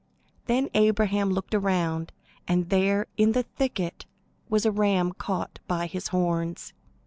Then Abraham looked around, and there in the thicket was a ram caught by his horns.